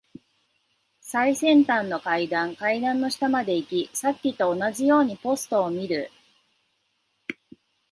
最西端の階段。階段の下まで行き、さっきと同じようにポストを見る。